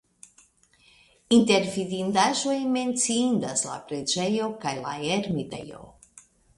Inter vidindaĵoj menciindas la preĝejo kaj la ermitejo.